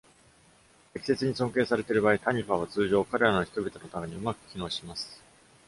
適切に尊敬されている場合、タニファは通常、彼らの人々のためにうまく機能します。